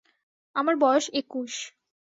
আমার বয়স একুশ।